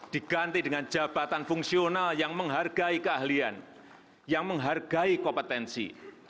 diganti dengan jabatan fungsional yang menghargai keahlian yang menghargai kompetensi